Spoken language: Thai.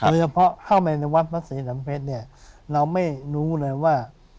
โดยเฉพาะเข้าไปในวัฒน์พระศรีสัมเภษเราไม่รู้เลยว่า